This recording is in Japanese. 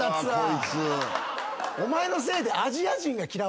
お前のせいで。